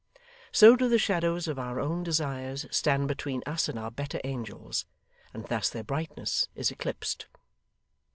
So do the shadows of our own desires stand between us and our better angels, and thus their brightness is eclipsed.